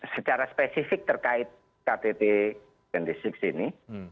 secara spesifik terkait ktt cop dua puluh enam ini